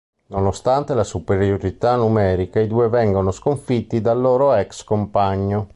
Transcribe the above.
Nonostante la superiorità numerica, i due vengono sconfitti dal loro ex-compagno.